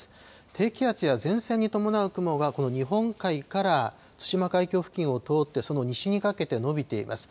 低気圧や前線に伴う雲が、この日本海から対馬海峡付近を通ってその西にかけて延びています。